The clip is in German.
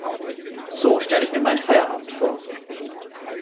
So stelle ich mir meinen Feierabend vor!